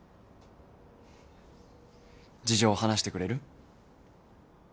事情話してくれる？